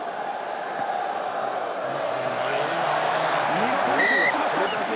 見事に通しました！